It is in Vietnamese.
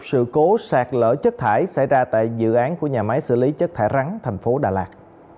sự cố sạt lỡ chất thải xảy ra tại dự án của nhà máy xử lý chất thải rắn tp đà lạt